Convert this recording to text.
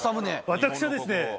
私はですね